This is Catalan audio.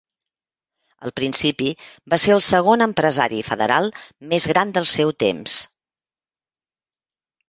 Al principi va ser el segon empresari federal més gran del seu temps.